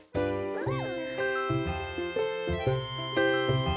うん！